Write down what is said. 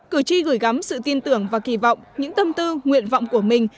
cử tri gửi gắm sự tin tưởng và kỳ vọng những tâm tư nguyện vọng của mình